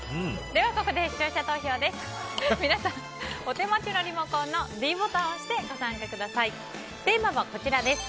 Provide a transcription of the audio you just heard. ここで視聴者投票です。